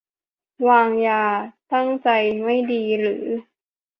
- วางยา ตั้งใจไม่ดี หรือ